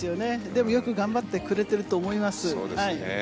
でもよく頑張ってくれていると思いますね。